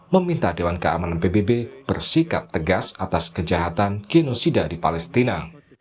meminta dewan keamanan pbb bersikap tegas atas kejahatan genosida di palestina